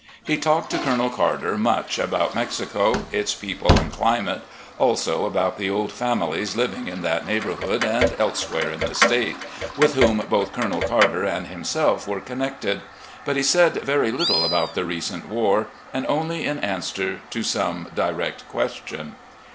He talked to Colonel Carter much about Mexico, its people and climate; also about the old families living in that neigh bourhood and elsewhere in the State, with whom both Colonel Carter and himself were connected; but he said very little about the recent war, and only in answer to some direct question.